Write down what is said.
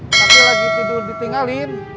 tapi lagi tidur ditinggalin